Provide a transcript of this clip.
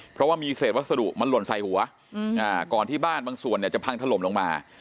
เพราะว่ามีเศษวัสดุมันหล่นใส่หัวก่อนที่บ้านบางส่วนเนี่ยจะพังถล่มลงมา